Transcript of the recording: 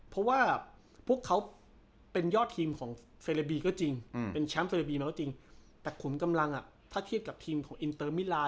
ถ้าเทียบกับทีมของอินเตอร์มิลาน